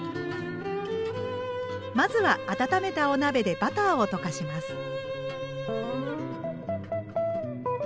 まずは温めたお鍋でバターを溶かします。